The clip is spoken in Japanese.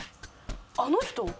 あの人？